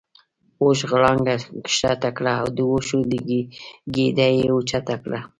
اوښ غړانګه کښته کړه د وښو ګیډۍ یې اوچته کړه.